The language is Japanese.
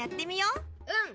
うん！